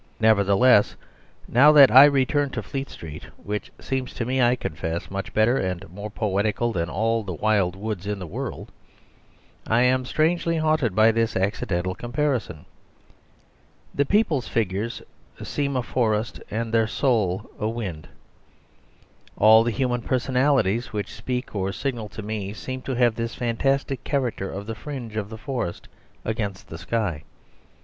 Nevertheless, now that I return to Fleet Street (which seems to me, I confess, much better and more poetical than all the wild woods in the world), I am strangely haunted by this accidental comparison. The people's figures seem a forest and their soul a wind. All the human personalities which speak or signal to me seem to have this fantastic character of the fringe of the forest against the sky.